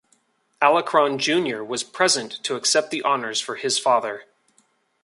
Alacron Junior was present to accept the honors for his father.